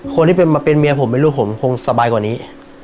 คนที่มาเป็นเมียผมเป็นลูกผมคงสบายกว่านี้